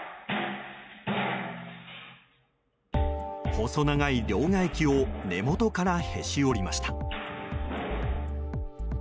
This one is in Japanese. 細長い両替機を根元からへし折りました。